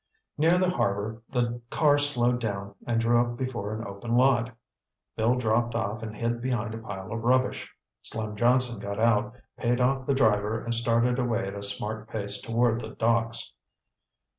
Near the harbor the car slowed down and drew up before an open lot. Bill dropped off and hid behind a pile of rubbish. Slim Johnson got out, paid off the driver and started away at a smart pace toward the docks.